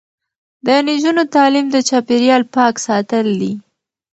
د نجونو تعلیم د چاپیریال پاک ساتل دي.